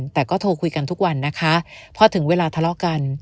แต่ก็โทรคุยกันทุกวันนะคะพอถึงเวลาทะเลาะกัน